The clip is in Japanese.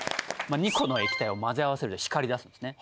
２個の液体を混ぜ合わせると光り出すんですね。